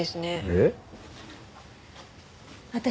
えっ？